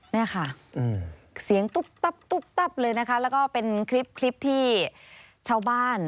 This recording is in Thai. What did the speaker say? นี่ค่ะเสียงตุ๊บเลยนะคะแล้วก็เป็นคลิปที่ชาวบ้าน